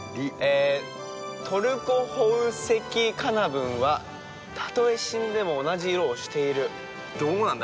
「トルコホウセキカナブンはたとえしんでもおなじいろをしている」どうなんだ？